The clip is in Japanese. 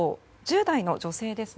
１０代の女性です。